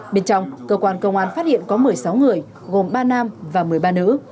bên trong cơ quan công an phát hiện có một mươi sáu người gồm ba nam và một mươi ba nữ